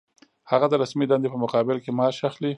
هغه د رسمي دندې په مقابل کې معاش اخلي.